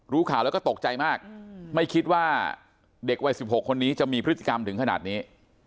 ข่าวแล้วก็ตกใจมากไม่คิดว่าเด็กวัย๑๖คนนี้จะมีพฤติกรรมถึงขนาดนี้